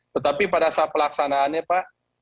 tetapi pada saat pelaksanaannya pak